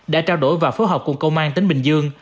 đã trao đổi và phối hợp cùng công an tỉnh bình dương